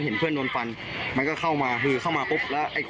เห็นเครื่องฟันก็เข้ามาปุ๊บ